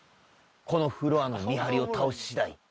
このフロアの見張りを倒ししだい